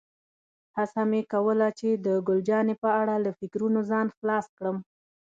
هڅه مې کوله چې د ګل جانې په اړه له فکرونو ځان خلاص کړم.